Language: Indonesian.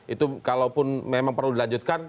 itu kalaupun memang perlu dilanjutkan